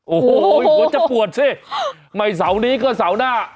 โอ้โหหัวจะปวดสิไม่เสาร์นี้ก็เสาหน้า